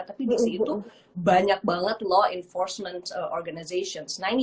tapi di situ banyak banget law enforcement organization